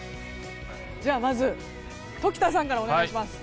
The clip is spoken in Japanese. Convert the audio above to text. まず常田さんからお願いします。